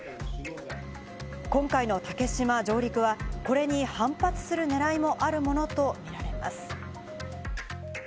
今回の竹島上陸はこれに反発するねらいもあるものとみられます。